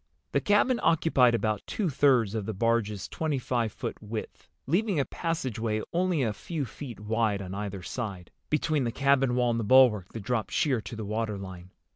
The cabin occupied about two thirds of the barge's twenty five foot width, leaving a passageway only a few feet wide on either side, between the cabin wall and the bulwark that dropped sheer to the water line.